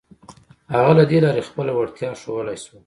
هغه له دې لارې خپله وړتيا ښوولای شوه.